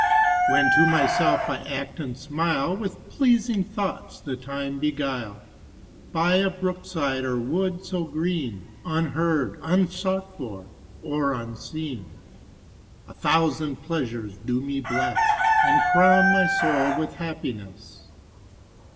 When to myself I act and smile, With pleasing thoughts the time beguile, By a brook side or wood so green, Unheard, unsought for, or unseen, A thousand pleasures do me bless, And crown my soul with happiness.